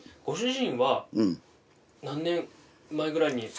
ご主人は何年前くらいに。